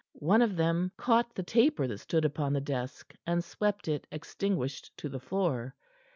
One of them caught the taper that stood upon the desk; and swept it, extinguished, to the floor.